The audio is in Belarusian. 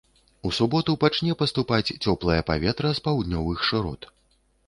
У суботу пачне паступаць цёплае паветра з паўднёвых шырот.